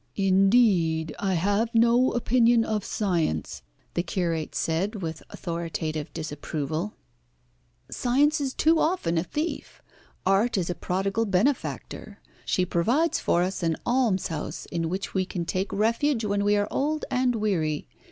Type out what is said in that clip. "Indeed I have no opinion of science," the curate said with authoritative disapproval. "Science is too often a thief. Art is a prodigal benefactor. She provides for us an almshouse in which we can take refuge when we are old and weary.